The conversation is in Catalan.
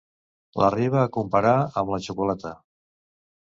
L'arriba a comparar amb la xocolata.